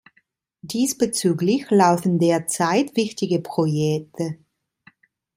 Diesbezüglich laufen derzeit wichtige Projekte.